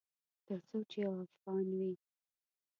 ترڅو چې یو افغان وي